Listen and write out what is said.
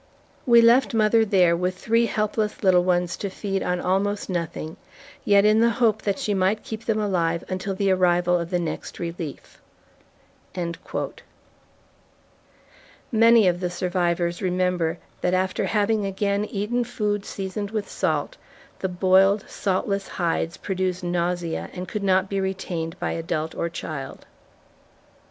We left mother there with three helpless little ones to feed on almost nothing, yet in the hope that she might keep them alive until the arrival of the next relief. Many of the survivors remember that after having again eaten food seasoned with salt, the boiled, saltless hides produced nausea and could not be retained by adult or child.